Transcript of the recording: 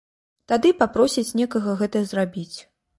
Тады папросіць некага гэта зрабіць.